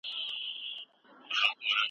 ډیپلوماټیک ځوابونه باید په درنښت وي.